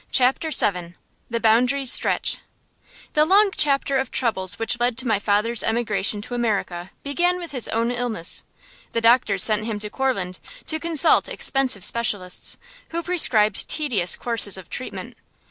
CHAPTER VII THE BOUNDARIES STRETCH The long chapter of troubles which led to my father's emigration to America began with his own illness. The doctors sent him to Courland to consult expensive specialists, who prescribed tedious courses of treatment.